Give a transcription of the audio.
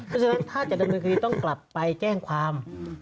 เพราะฉะนั้นถ้าจะดำเนินคดีต้องกลับไปแจ้งความ